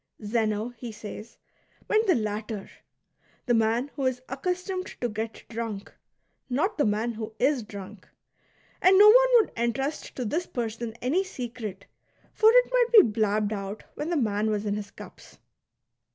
Zeno, he says, meant the latter, — the man who is accustomed to get drunk, not the man who is drunk ; and no one would entrust to this person any secret, for it might be blabbed out when the man was in his cups.